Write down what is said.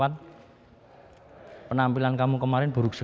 untuk lebih banyak informasi